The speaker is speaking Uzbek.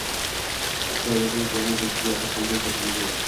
Iqtisodiyotimiz jamoat mulkiga asoslangan shaklga ega.